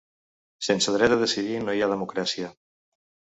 Sense dret de decidir no hi ha democràcia.